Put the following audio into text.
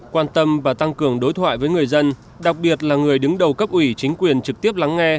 quan tâm và tăng cường đối thoại với người dân đặc biệt là người đứng đầu cấp ủy chính quyền trực tiếp lắng nghe